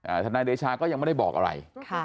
อ่าทะนายเดชาก็ยังไม่ได้บอกอะไร